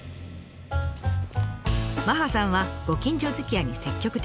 麻葉さんはご近所づきあいも積極的。